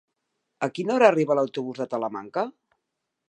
A quina hora arriba l'autobús de Talamanca?